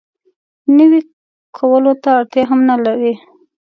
نوي کولو ته اړتیا هم نه لري.